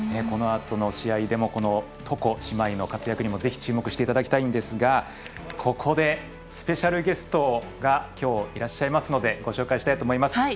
このあとの試合でも床姉妹の活躍にもぜひ、注目していただきたいんですがここでスペシャルゲストがきょう、いらっしゃいますのでご紹介したいと思います。